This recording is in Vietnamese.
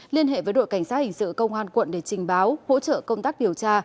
liên hệ với đội cảnh sát hình sự công an quận để trình báo hỗ trợ công tác điều tra